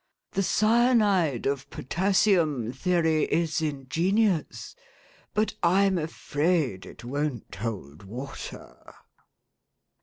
The cyanide of potassium theory is ingenious, but I'm afraid it won't hold water."